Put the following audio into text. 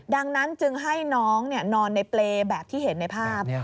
ดังนั้นจึงให้น้องนอนในเปรย์แบบที่เห็นในภาพ